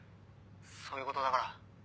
そういう事だから」